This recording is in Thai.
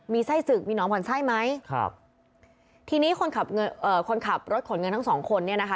ไส้ศึกมีน้องขวัญไส้ไหมครับทีนี้คนขับเอ่อคนขับรถขนเงินทั้งสองคนเนี่ยนะคะ